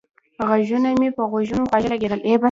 غږونه مې په غوږونو خواږه لگېدل